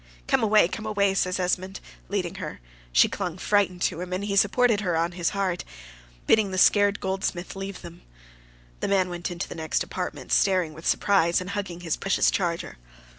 "Come away, come away!" says Esmond, leading her: she clung frightened to him, and he supported her upon his heart, bidding the scared goldsmith leave them. The man went into the next apartment, staring with surprise, and hugging his precious charger.